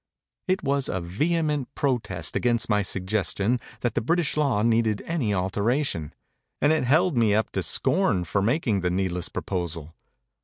It was a vehement protest against my suggestion that the British law needed any alteration; and it held me up to scorn for making the needless proposal.